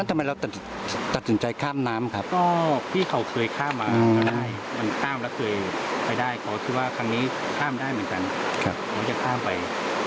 ไม่อยากให้พี่เข่าไปให้เข่ากระโดดไป